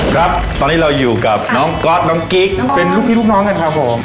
ครับตอนนี้เราอยู่กับน้องก๊อตน้องกิ๊กเป็นลูกพี่ลูกน้องกันครับผม